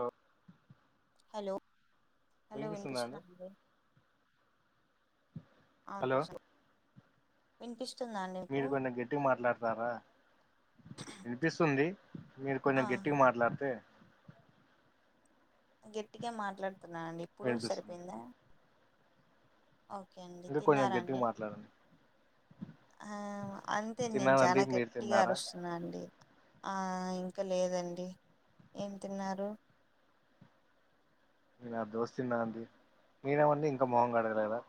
అ లో హలో విన్పిస్తుందా అండి అవును హలో [unintelligible] వినిపిస్తుందా అండి మ్ మీరు కొంచెం గట్టిగా మాట్లాడతారా ఇనిపిస్తుంది మీరు ఆ కొంచెం గట్టిగా మాట్లాడితే గట్టిగా మాట్లాడుతున్నానండి ఇప్పుడు వినిపిస్తుంది సరిపోయిందా ఓకే అండి ఇంకా కొంచెం తిన్నారా గట్టిగా అండి మాట్లాడండి ఆ అంటె నేను తిన్నానండి చానా మీరు గట్టిగా తిన్నారా అరుస్తు నండి ఆ ఇంకా లేదండి ఏం తిన్నారు నేనా దోస తిన్నానండి మీరేమండి ఇంకా మొహం కడగలేదా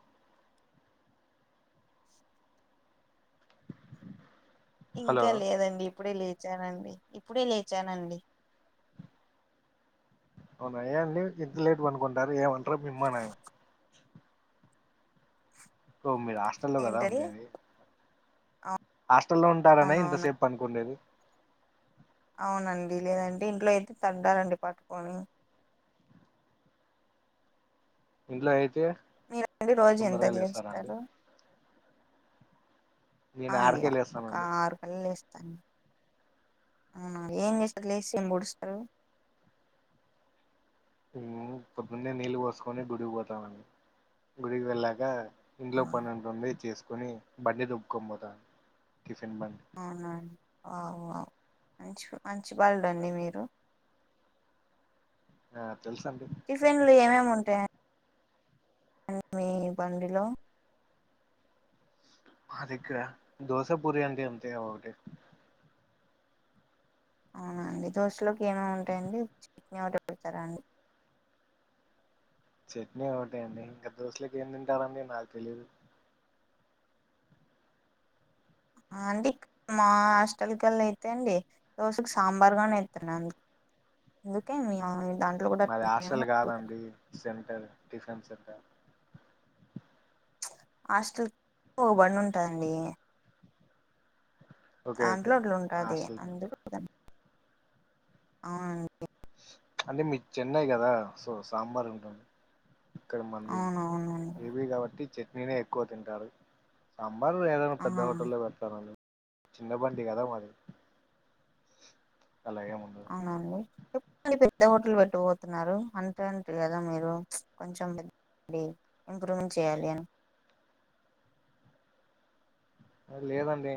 హలో ఇంకా లేదండి ఇప్పుడే లేచానండి ఇప్పుడే లేచానండి అవునా ఏ అండి ఇంత లేట్ పనుకుంటారు ఏమనర మి అమ్మ నాయన ఒ మీరాష్టల్లో కదా ఏంటది ఉండేది హాస్టల్లో ఉంటారనా అవునవును ఇంతసేపు పండుకోండేది అవునండి లేదంటె ఇంట్లో అయితే తంతా రండి పట్టుకొని ఇంట్లో అయితే మీరండి రోజు ఎంత తొందరగా లేస్తారాండి లేస్తారు ఆ నేను అండిగ ఆరుకే ఒక లేస్తానండి ఆరు కల్ల లేస్తాను అవున ఏం చేస్తరు లేసి ఏం పొడుస్తరు మేము పొద్దున్నే నీళ్ళు పోసుకొని గుడికి పోతామండి గుడికి వెళ్ళాక ఇంట్లో అవును పనెంతుంది చేసుకొని బండి దొబ్బుకొని పోతాను టిఫిన్ బండి అవునండి వావ్ వావ్ మంచి బ మంచి బాలుడండి మీరు ఆ తెలుసండి టిఫిన్లు ఏమేం ఉంటయం మీ బండిలో మా దగ్గర దోస, పూరి అండి అంతె ఒకటె అవునండి దోశలోకి ఏమేం ఉంటాయండి చట్నీ ఒకటె పెడతారా అండి చట్నీ ఒకటే అండి ఇంక దోసెలకి ఏం తింటారండి నాకు తెలీదు అండి మా హాస్టల్ కెళ్ళయితే అండి దోషకి సాంబార్గానేత్తరండి అందుకే మి [unintelligible] మాది హాస్టల్ గాదండి సెంటర్ టిఫిన్ సెంటర్ హాస్టల్ కొక బండి ఉంటదండి ఓకే దాంట్లో ఓకే అట్లుంటాది హాస్టల్ అందులో అవునండి అంటే మీద్ చెన్నై కదా సో సాంబార్ ఉంటుంది ఇక్కడ మన్ది అవునవునండి ఏ పి గాబట్టి చట్నీనే ఎక్కువ తింటారు సాంబార్ ఏదైనా పెద్ద ఆ హోటల్లో పెడతారండి చిన్న బండి కదా మాది అలాగేం ఉండదు నా అండి మరి పెద్ద హోటల్ పెట్ట పోతున్నారు అంతే అంట కదా మీరు కొంచెం డి ఇంప్రూవ్మెంట్ చేయ్యాలి అని లేదండి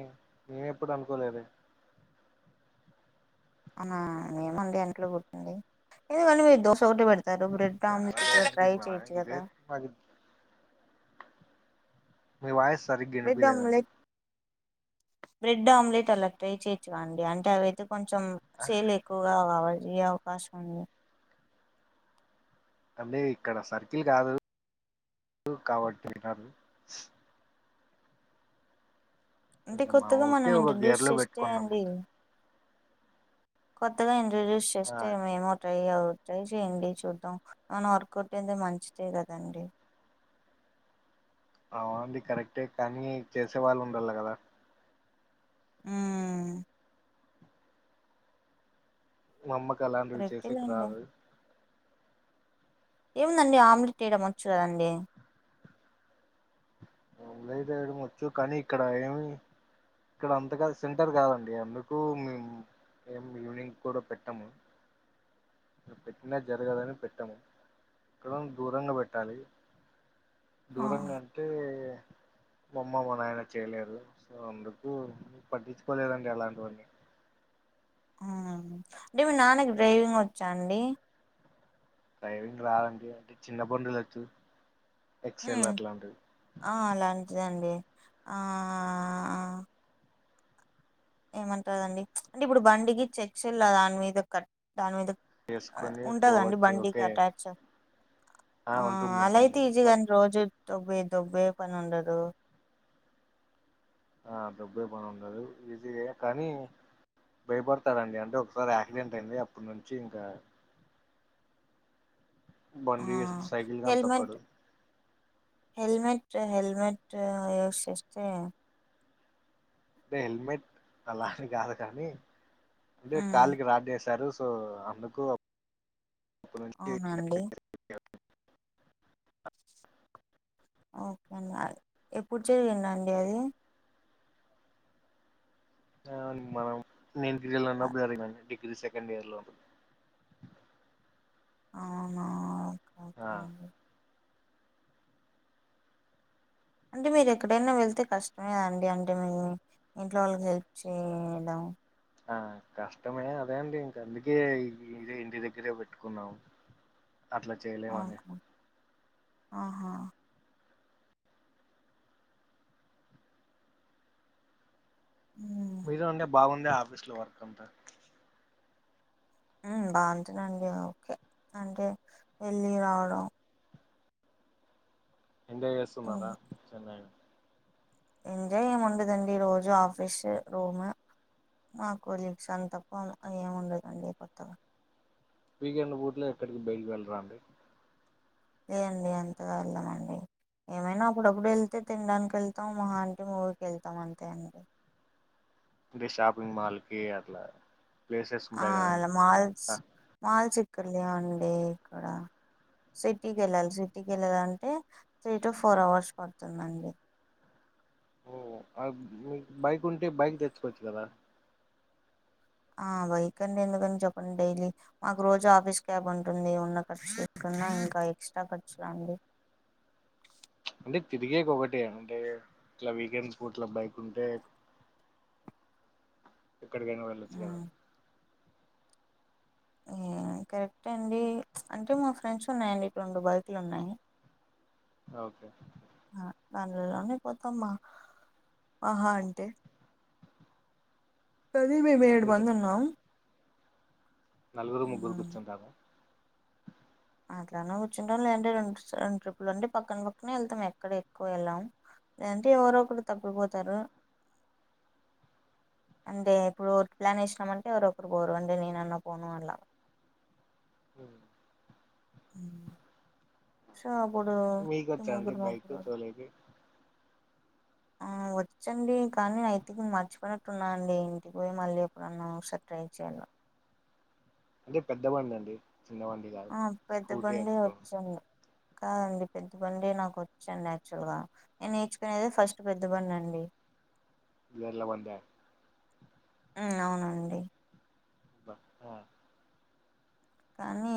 నేనెప్పుడు అనుకోలేదే అవునా ఏముంది అంట్లో [unintelligible] ఎందుకండి మీరు దోశ ఒకటె పెడ్ తారు బ్రెడ్ ఆమ్లేట్ ఇట్ల ట్రై చేయొచ్చు గదా మాది మీ వాయిస్ సరిగ్గా బ్రెడ్ ఇనిపియలేదండి ఆమ్లెట్ బ్రెడ్ ఆమ్లెట్ అలా ట్రై చేయచ్చుగా అండి అంటే అవయితే కొంచెం సేల్ ఎక్ ఎక్కుగా అవజ అవకాశ [unintelligible] అబ్బే ఇక్కడ సర్కిల్ కాదు కాబట్టి వినరు అంటే మా కొత్తగా మనం ఊరికే ఒక ఇంట్రడ్యూస్ గేర్ లో చేస్తే పెట్టుకున్నాము అండి కొత్తగా ఇంటడ్యూస్స్ ఆ చేస్తే ఏమ్ ట్రై అ ట్రై చేయ్యడి చూద్దాం మనా వర్కట్టేంది మంచిదే కదండి అవునండి కరెక్టే కానీ చేసే వాళ్ళు ఉండాలి కదా ఉం మా అమ్మకి అలాంటివి చేసేకి కరెక్టేలేండి రదు ఏముందండి ఆమ్లెట్ వేయడం వచ్చు కదండి అమ్లేట్ లేయడం వచ్చు కానీ ఇక్కడ ఏమి ఇక్కడ అంతగా సెంటర్ కాదండి అందుకు మేము ఏం ఈవినింగ్ కూడా పెట్టాము ఇక్కడ పెట్టినా జరగదని పెట్టము ఎక్కడో దూరంగా పెట్టాలి ఆ దూరంగా అంటే మమ్మ మా నాయన చేయలేరు సో అందుకు పట్టించుకోలేదండి అలాంటివన్నీ ఆ అంటే మీ నాన్నకి డ్రైవింగ్ వచ్చా అండి డ్రైవింగ్ రాదండి అంటే చిన్న బండు లొచ్చు ఎక్సెల్ ఉమ్ అట్లాంటివి ఆ అలాంటిదండి ఆ ఏమంటారుదండి అంటే ఇప్పుడు బండికి చెక్స్ల్లా దాని మీద కట్ దాని మీద [unintelligible] చేసుకొని ఉంటదండి పోవచ్చు బండికి ఓకే అటాచ్ ఆ ఉంటుంది అలా అయితే ఉంటుంది బట్ ఈజీగాని రోజు దబ్బే దడబ్బే పని ఉండదు [unintelligible] ఆ డబ్బే పని ఉండదు ఈజీయే కానీ భయపడతాడండి అంటే ఒకసారి యాక్సిడెంట్ అయింది అప్పటి నుంచి ఇంకా ఆ బండి సైకిల్ గాని హెల్మెట్ తొక్కడు హెల్మెట్ హెల్మెట్ యూస్ చేస్తే అంటే హెల్మెట్ అలానే కాదు కానీ అంటే ఉమ్ కాలుకి రాడ్ ఎసారు సో అందుకు అప్పటి నుంచి అవునండి ఓకే అండి ఎప్పుడు జరిగింది అండి అది మనం నేను డిగ్రీలో ఉన్నప్పుడు జరిగింది డిగ్రీ సెకండ్ ఇయర్ లో ఉ అవునా ఓకే ఓకే ఆ అండి అంటే మీరు ఎక్కడైనా వెళ్తే కష్టమేదండి అంటే మే ఇంట్లో వాళ్ళకి హెల్ప్ చేయడం ఆ కష్టమే అదే అండి ఇంక అందుకే ఇది ఇంటి దగ్గరే పెట్టుకున్నాం అట్లా చేయలేము అండి ఓకే ఆహా ఉమ్ [unintelligible] మీజ అంటే బాగుంది ఆఫీస్ లో వర్క్ అంతా ఆ బాగుంటదండి ఓకే అంటే వెళ్ళి రావడం ఎంజాయ్ ఉమ్ చేస్తున్నారా చెన్నైని ఎంజాయ్ ఏమ్ ఉండదండి రోజు ఆఫీస్ఏ రూమ్ మా కొలీగ్స్ అంతప్ప ఏమి ఉండదండి కొత్తగా వీకెండ్ బూట్లో ఎక్కడికి బయటకి వెళ్లరాండి లే అండి అంతగా వెళ్లమండి ఏమైనా అప్పుడప్పుడు వెళ్తే తినడానికి వెళ్తాం మహా అంట మూవీకి వెళ్తాం అంతేండి అంటే షాపింగ్ మాల్కి అట్లా ప్లేసెస్ ఆ ఉంటాయి అలా కదండి మాల్స్ ఆ, మాల్స్ ఇక్కడ్లే అండి ఇక్కడ సిటీకి వెళ్ళాలి సిటీకి వెళ్ళాలంటే త్రీ టు ఫోర్ అవర్స్ పడుతుందండి. ఓ అ మీకు బైక్ ఉంటే బైక్ తెచ్చుకోవచ్చు కదా ఆ బైక్ అండి ఎందుకని చెప్పండి డైలీ మాకు రోజు ఆఫీస్ క్యాబ్ ఉంటుంది ఉన్న ఖర్చు తీసుకున్న ఇంకా ఎక్స్ట్రా ఖర్చులాండి. అంటే తిరిగేక్ ఒకటే అంటే ఇట్లా వీకెండ్స్ గూట్ల బైక్ ఉంటే ఎక్కడికైనా వెళ్ళొచ్చు కదా ఇయ్య కరెక్టే అండి మ్చ్ అంటే మా ఫ్రెండ్స్ ఉన్నాయండి ఇప్పుడు రెండు బైకులు ఉన్నాయి. ఓకే ఆ ఆన్లోనే పోతామ్ ఆ ఆహా అంటే ప్రదిబ్ మేము ఏడు మీరు మంది ఉన్నాము నలుగురు ముగ్గురు ఉమ్, కూర్చుంటాము అట్లానే కూర్చుంటం లేదంటే రెండు రెండు ట్రిప్పులు అంటే పక్కన పక్కనే వెళ్తాం ఎక్కడ ఎక్కువ వెళ్ళాం లేదంటే ఎవరో ఒకరు తప్పిపోతారు అంటే ఇప్పుడు ప్లాన్ వేసినాము అంటే ఎవరో ఒకరు పోరు అంటే నేను అన్నా పోను అలా వ్మ్ సో అప్పుడు మీకు వచ్చా అండి ముగ్గురు బైక్ ముగ్గురు తోలేకి వ్మ్ వచ్చండి కానీ అయితే మర్చిపోడినట్టున్నా అండి ఇంటికి పోయి మళ్ళీ ఎప్పుడన్నా ఒకసారి ట్రై చేయాలి. అంటే పెద్దబండి అండి చిన్నబండి ఆ పెద్దబండి వచ్చండి కాదండి పెద్దబండి నాకు వచ్చాండి యాక్చ్యువల్ గా నేను నేర్చుకునేదే ఫస్ట్ పెద్దబండి అండి ఎడ్ల పందాలు అవునండి బ ర్తలు కానీ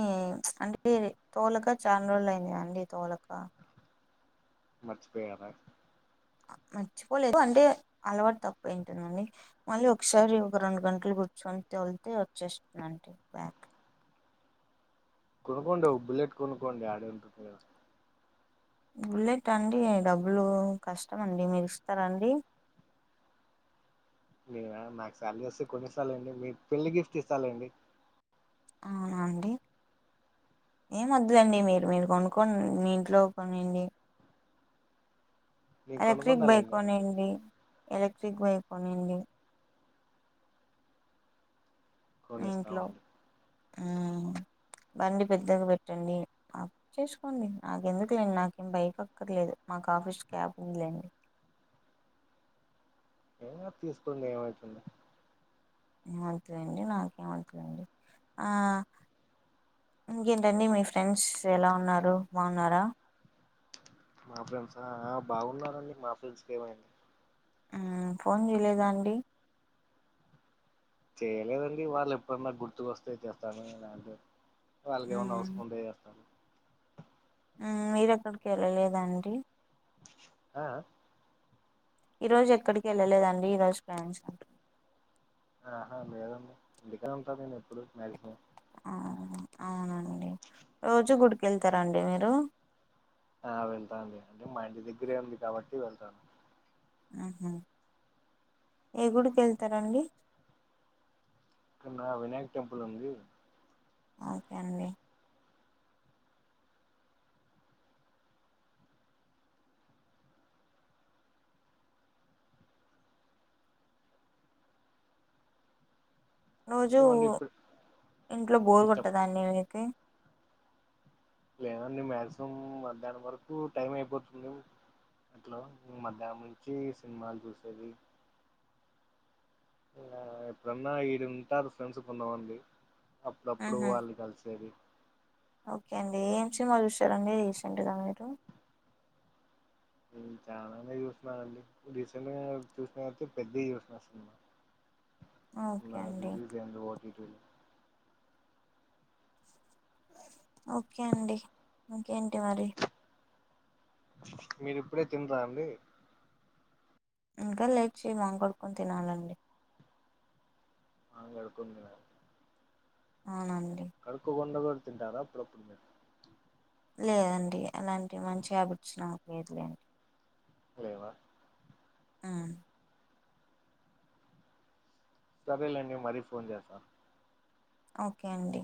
చ్ అనిపియాది మ్ అంటే తోలక చానా రోజులు అయింది కదా అండి తోలక మచ్చిపోయారా మర్చిపోలేదు అంటే అలవాటు తక్కువ అయ్యుటుందండి మళ్ళీ ఒకసారి ఒక రెండు గంటలు కూర్చొని తోళ్తే వచ్చేస్తున్నాండి బ్యాక్ కొనుకోండి ఓ బుల్లేట్ కొనుకోండి ఆడంలెటము బుల్లెట్ అండి డబ్బులు కష్టమ్అండి మీరు ఇస్తారా అండి నేనా నాకు సాలరీ వస్తే కొన్నిస్తాలేండి మీకు పెళ్లి గిఫ్ట్ ఇస్తాలేండి అవునాండి ఏమ వద్దలేండి మీరు మీరు కొనుక్కోండి మీ ఇంట్లో కొనియండి. నేను ఎలక్ట్రిక్ బైక్ కొనుక్కుంటాలేండి అంటే కొనియండి ఎలక్ట్రిక్ బైక్ కొనియండి మీ ఇంట్లో కొనిస్తామండి వ్మ్ బండి పెద్దగా పెట్టండి చేసుకోండి నాకెందుకులేండి నాకేం బైక్ అక్కర్లేదు మాకు ఆఫీస్ క్యాబ్ ఉందిలేండి. ఏంగాదు తీసుకోండి ఏమైతుంది ఏమాద్దులేండి నాకేమద్దులేండి ఆ ఇంకేంటండి మీ ఫ్రెండ్స్ ఎలా ఉన్నారు బాగున్నారా మా ఫ్రెండ్స ఆ బాగున్నారండి మా ఫ్రెండ్స్ కు ఏమైంది ఉమ్ ఫోన్ చేయలేదా అండి చేయలేదండి వాళ్ళు ఎప్పుడన్నా గుర్తుకొస్తే చేస్తాను నాకు వాళ్ళకి ఏమన్నా మ్మ్ అవసరం ఉంటే చేస్తారు ఉమ్మ్ మీరెక్కడికి ఎళ్ళలేదా‌ అండి ఆ ఈరోజు ఎక్కడికి ఎళ్ళలేదాండి ఈరోజు [unintelligible] అంటు ఆహా లేదండి ఇంటికనే ఉంట నేను ఎప్పుడు మాక్సిమం ఆ అవునండి రోజు గుడికి ఎళ్తారాండి మీరు ఆ వెళ్తా అండి అంటే మా ఇంటి దగ్గరే ఉంది కాబట్టి వెళ్తాను ఆహా ఏ గుడికి ఎళ్తారండి ఇక్కన్నా వినాయక టెంపుల్ ఉంది ఓకే అండి రోజు ఇంకేమండి ఇప్పుడు ఇంట్లో బోర్ చెప్ కొట్టదాండి మీకి లేదండి మాక్సిమం మధ్యాహ్నం వరకు టైం అయిపోతుంది ఎట్లో మధ్యాహ్నం నుంచి సినిమాలు చూసేది ఎప్పుడన్నా ఈడుంటారు ఫ్రెండ్స్ కొంతమంది అప్పుడప్పుడు మ్మ్ వాళ్ళని కలిసేది ఓకే అండి ఏం సినిమా చూసారండి రీసెంట్‌గా మీరు నేను చానానే చూసిననండి రీసెంట్‌గా చూసినయితే పెద్ది చూసిన సినిమా ఓకే నిన్న అండి రిలీజ్ అయింది ఓటిటిలో ఓకే అండి ఇంకేంటి మరి మీరు ఇప్పుడే తిన్రా అండి ఇంకా లేచి మొహం కొడుకొని తినాలండి మొహం కడుక్కొని తినాలా అవునండి కడుక్కోకుండా కూడా తింటారా అప్పుడప్పుడు మీరు లేదండి అలాంటి మంచి హ్యాబిట్స్ నాకు లేదులేండి లేేవా ఉమ్మ్ సరే లేండి మరీ ఫోన్ చేస్తా ఓకే అండి